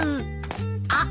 あっ！